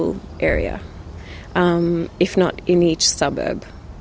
jika tidak di setiap kawasan